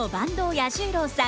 彌十郎さん